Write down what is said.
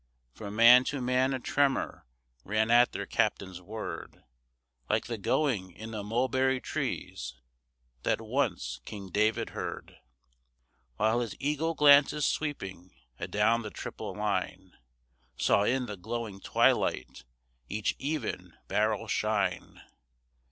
From man to man a tremor ran at their captain's word (Like the "going" in the mulberry trees that once King David heard), While his eagle glances sweeping adown the triple line, Saw, in the glowing twilight, each even barrel shine!